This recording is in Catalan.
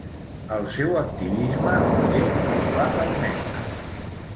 El seu activisme, què els va permetre?